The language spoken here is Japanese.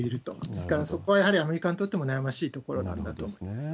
ですから、そこはやはりアメリカにとっても悩ましいところなんだと思います。